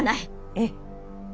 ええ。